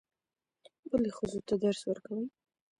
ولې ښځو ته درس ورکوئ؟